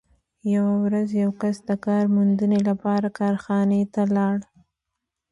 یوه ورځ یو کس د کار موندنې لپاره کارخانې ته ولاړ